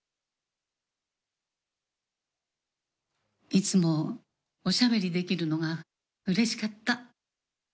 いつもおしゃべりできるのが嬉しかった。